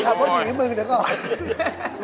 จะขับรถถือให้มึงเดี๋ยวก่อน